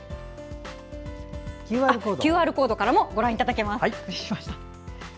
ＱＲコードからもご覧いただけます。